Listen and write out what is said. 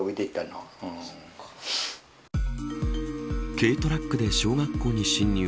軽トラックで小学校に侵入。